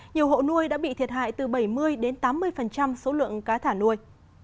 nhiều hộ nuôi đã bị thiệt hại từ bảy mươi đến tám mươi số lượng cá thả nuôi